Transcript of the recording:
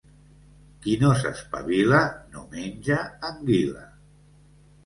Qui no s'espavila, no menja anguila.